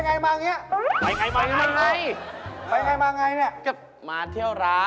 เนื้อบ้านนี่ก็คือคนกินหายคนตายติดคุก